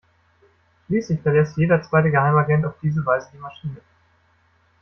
Schließlich verlässt jeder zweite Geheimagent auf diese Weise die Maschine.